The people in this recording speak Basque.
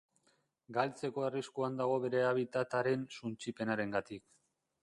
Galtzeko arriskuan dago bere habitat-aren suntsipenarengatik.